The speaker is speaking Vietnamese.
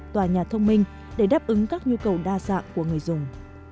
tòa nhà thông minh để đáp ứng các nhu cầu đa dạng của người dùng